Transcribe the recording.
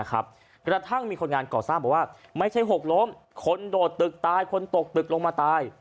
กระทั่งมีคนงานก่อสร้างบอกว่าไม่ใช่หกล้มคนโดดตึกตายคนตกตึกลงมาตาย